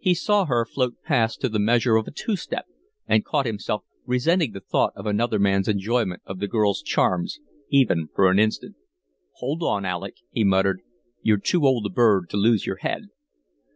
He saw her float past to the measure of a two step, and caught himself resenting the thought of another man's enjoyment of the girl's charms even for an instant. "Hold on, Alec," he muttered. "You're too old a bird to lose your head."